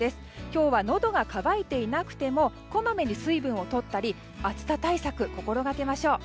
今日はのどが渇いていなくてもこまめに水分をとったり暑さ対策、心がけましょう。